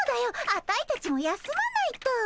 アタイたちも休まないと。